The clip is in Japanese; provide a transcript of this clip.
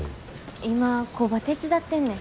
今工場手伝ってんねん。